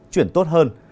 chuyển tốt hơn